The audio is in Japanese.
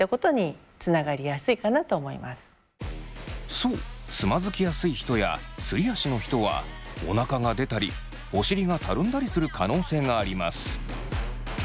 そうつまずきやすい人やすり足の人はおなかが出たりお尻がたるんだりする可能性があります。